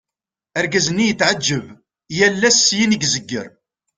Argaz-nni yetɛeğğeb, yal ass syin i zegger.